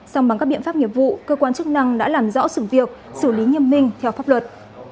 song bằng các biện pháp nghiệp vụ cơ quan chức năng đã làm rõ sự việc xử lý nghiêm minh theo pháp luật